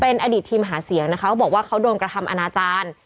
เป็นอดีตทีมหาเสียงนะคะเขาบอกว่าเขาโดนกระทำอนาจารย์